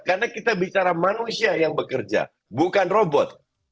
karena kita bicara manusia yang bekerja bukan robot